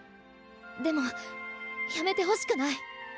でもやめてほしくない。